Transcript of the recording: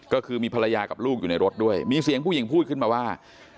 ก็คือมีภรรยากับลูกอยู่ในรถด้วยมีเสียงผู้หญิงพูดขึ้นมาว่า